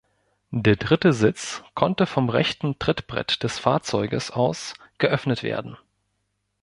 Der dritte Sitz konnte vom rechten Trittbrett des Fahrzeuges aus geöffnet werden.